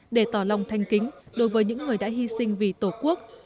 để tỏ lòng thanh kính đối với những người đã hy sinh vì tổ quốc